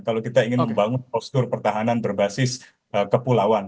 kalau kita ingin membangun postur pertahanan berbasis kepulauan